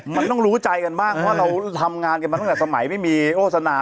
มันต้องรู้ใจกันบ้างเพราะเราทำงานกันมาตั้งแต่สมัยไม่มีโฆษณา